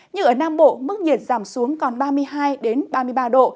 như ở nam bộ mức nhiệt giảm xuống còn ba mươi hai ba mươi ba độ